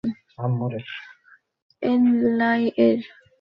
তিনি চৌ এন-লাই-এর সহচর্য লাভ করেন।